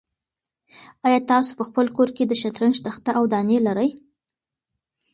آیا تاسو په خپل کور کې د شطرنج تخته او دانې لرئ؟